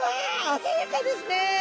鮮やかですね！